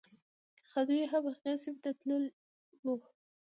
خدیو هم هغې سیمې ته تللی و.